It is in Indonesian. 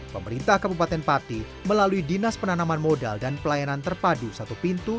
pemerintah kabupaten pati melalui dinas penanaman modal dan pelayanan terpadu satu pintu